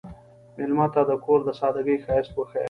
مېلمه ته د کور د سادګۍ ښایست وښیه.